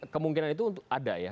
kemungkinan itu ada ya